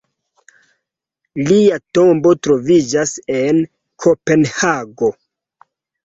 Lia tombo troviĝas en Kopenhago.